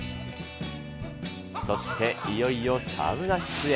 そしていよいよサウナ室へ。